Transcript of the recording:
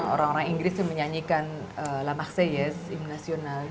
orang orang inggris yang menyanyikan la marseillaise imbé nationale